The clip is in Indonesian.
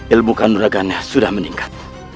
ilmu kandungannya sudah meningkat